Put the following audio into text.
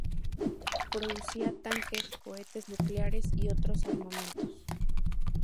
Producía tanques, cohetes nucleares y otros armamentos.